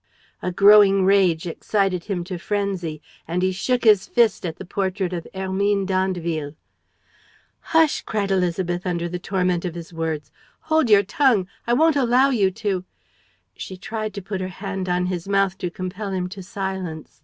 A growing rage excited him to frenzy; and he shook his fist at the portrait of Hermine d'Andeville. "Hush!" cried Élisabeth, under the torment of his words. "Hold your tongue! I won't allow you to ..." She tried to put her hand on his mouth to compel him to silence.